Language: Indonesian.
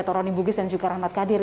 toroni bugis dan juga rahmat kadir